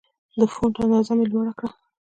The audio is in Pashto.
د فونټ اندازه مې لوړه کړه.